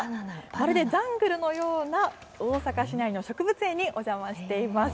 まるでジャングルのような大阪市内の植物園にお邪魔しています。